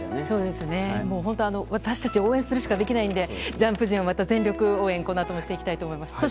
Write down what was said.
そうですね、本当、私たち応援するしかできないんで、ジャンプ陣をまた全力応援、このあともしていきたいと思います。